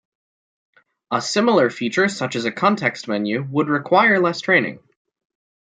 A similar feature such as a context menu would require less training.